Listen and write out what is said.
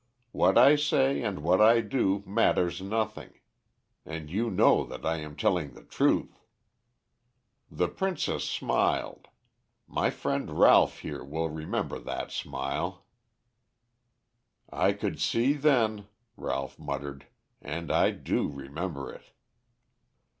What I say and what I do matters nothing. And you know that I am telling the truth.' "The princess smiled. My friend Ralph here will remember that smile." "I could see then," Ralph muttered, "and I do remember it."